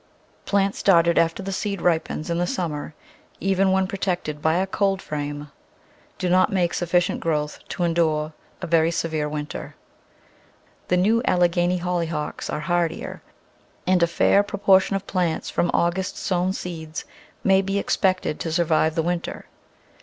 Plants started after the seed ripens in the summer, even when protected by a cold frame, Digitized by Google no The Flower Garden [Chapter do not make sufficient growth to endure a very severe winter. The new Alleghany Hollyhocks are hardier, and a fair proportion of plants from August sown seeds may be expected to survive the winter.